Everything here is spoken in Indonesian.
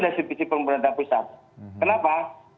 dari sisi pemerintah pusat kenapa